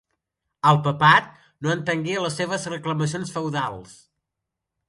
El Papat no entengué les seves reclamacions feudals.